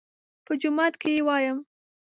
_په جومات کې يې وايم.